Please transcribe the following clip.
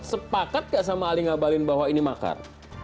sepakat gak sama ali ngabalin bahwa ini makar